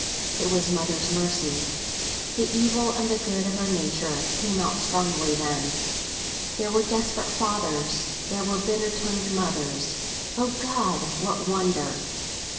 It was mother's mercy. The evil and the good of our nature came out strongly then. There were desperate fathers; there were bitter tongued mothers (O God! what wonder!)